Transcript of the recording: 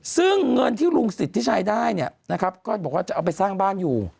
ซึ่งเงินที่ลุงสิทธิ์ใช้ได้จะเอาไปสร้างบ้านอยู่